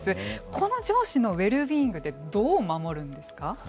この上司のウェルビーイングってどう守るんですか。